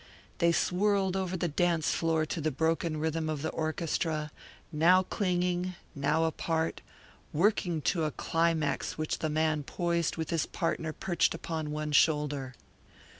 They swirled over the dance floor to the broken rhythm of the orchestra, now clinging, now apart, working to a climax in which the man poised with his partner perched upon one shoulder.